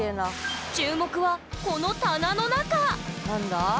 注目はこの棚の中何だ？